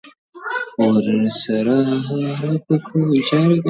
لکه ګل په پرېشانۍ کي مي خندا ده!.